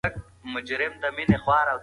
خو بیا یو وخت داسې هم راغے، چې هغه دفترونه